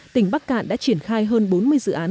tỉnh bắc cạn đã triển khai hơn bốn mươi dự án